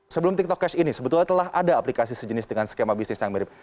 sebelum tiktok cash ini sebetulnya telah ada aplikasi sejenis dengan skema bisnis yang mirip